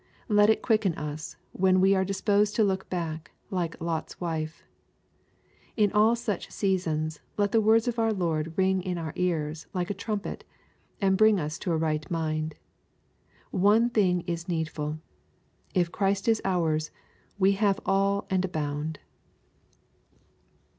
Let it quicken us when we are disposed to look back, like Lot's wife. In all such seasons, let the words of our Lord ring in our ears like a trumpet, and bring us to a right mind. " One thing is needful." If Christ is ours, we have all and abound.